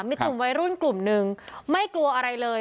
มีกลุ่มวัยรุ่นกลุ่มนึงไม่กลัวอะไรเลย